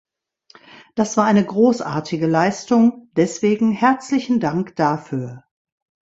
Das war eine großartige Leistung, deswegen herzlichen Dank dafür!